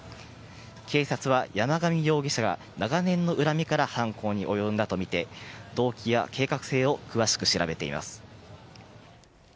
警察は山上容疑者が長年の恨みから犯行に及んだと見て、動機や計画性を詳しく調べています。